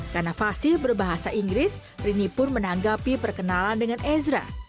karena fasil berbahasa inggris rini pun menanggapi perkenalan dengan ezra